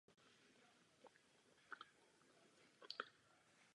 Vidíme demokratickou většinu a blokující menšinu.